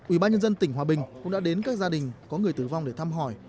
ủy ban nhân dân tỉnh hòa bình cũng đã đến các gia đình có người tử vong để thăm hỏi